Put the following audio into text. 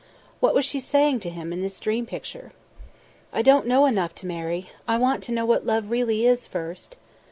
What was she saying to him in this dream picture? "I don't know enough to marry; I want to know what love really is, first